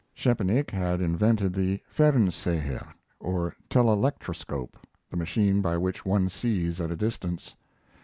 Szczepanik had invented the 'Fernseher', or Telelectroscope, the machine by which one sees at a distance.